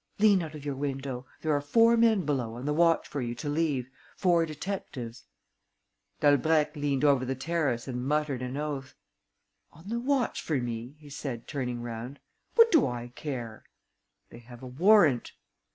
"Lean out of your window. There are four men below on the watch for you to leave, four detectives." Dalbrèque leant over the terrace and muttered an oath: "On the watch for me?" he said, turning round. "What do I care?" "They have a warrant."